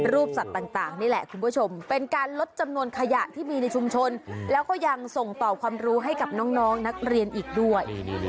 สัตว์ต่างนี่แหละคุณผู้ชมเป็นการลดจำนวนขยะที่มีในชุมชนแล้วก็ยังส่งต่อความรู้ให้กับน้องนักเรียนอีกด้วย